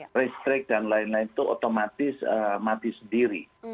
listrik dan lain lain itu otomatis mati sendiri